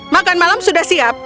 makan malam sudah siap